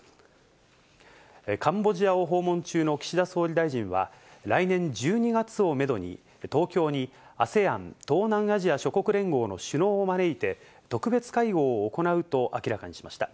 カンボジアを訪問中の岸田総理大臣は、来年１２月をメドに、東京にＡＳＥＡＮ・東南アジア諸国連合の首脳を招いて、特別会合を行うと明らかにしました。